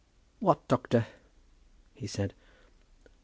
"What doctor?" he said.